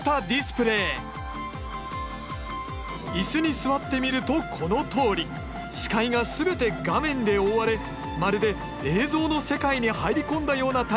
椅子に座ってみるとこのとおり視界が全て画面で覆われまるで映像の世界に入り込んだような体験ができるんだ。